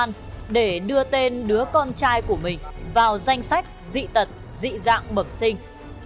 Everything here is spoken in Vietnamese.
ông dung không đủ điều kiện để đưa tên đứa con trai của ông dung vào danh sách dị tật dị dạng bẩm sinh